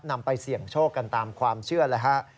นำไปเสี่ยงโชคกันตามความเชื่อเลยฮะ